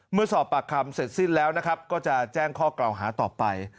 เมื่อสอบปากคำเสร็จสิ้นแล้วนะครับก็จะแจ้งข้อกล่าวหาต่อไป